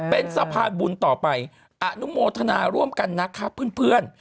เป็นสะพานบุญต่อไปอนุโมทนาร่วมกันนะครับเพื่อน